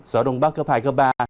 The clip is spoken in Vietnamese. gió đông bắc cấp hai cấp ba